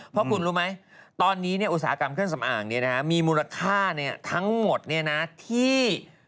เพราะคุณรู้ไหมตอนนี้อุตสาหกรรมเครื่องสำอางมีมูลค่าทั้งหมดที่